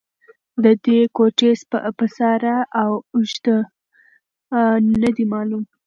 د دې کوټې پساره او اږده نه دې معلوم